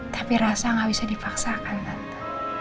tapi rasa gak bisa dipaksakan tentu